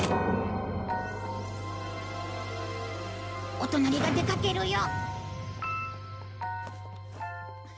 お隣が出かけるよ。